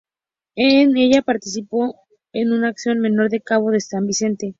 En ella participó en una acción menor en el Cabo de San Vicente.